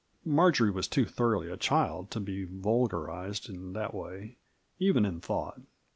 Marjory was too thorough a child to be vulgarized in that way, even in thought.